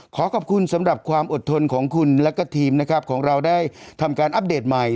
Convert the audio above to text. ขอขอบคุณสำหรับความอดทนของคุณและก็ทีมนะครับของเราได้ทำการอัปเดตใหม่